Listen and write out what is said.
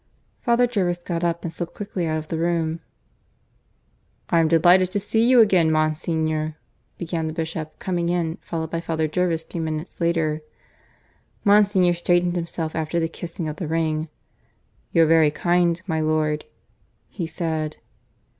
Father Jervis got up and slipped quickly out of the room. "I'm delighted to see you again, Monsignor," began the Bishop, coming in, followed by Father Jervis three minutes later. Monsignor straightened himself after the kissing of the ring. "You're very kind, my lord," he said.